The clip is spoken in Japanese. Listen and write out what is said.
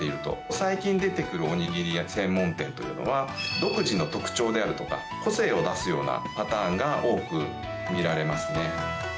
最近出てくるおにぎり専門店というのは独自の特徴であるとか個性を出すようなパターンが多く見られますね。